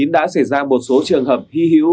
đã xảy ra một số trường hợp hy hữu